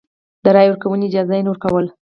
د رایې ورکونې اجازه نه ورکوله.